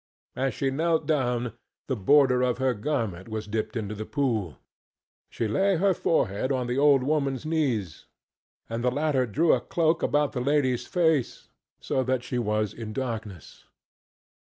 As she knelt down the border of her garment was dipped into the pool; she laid her forehead on the old woman's knees, and the latter drew a cloak about the lady's face, so that she was in darkness.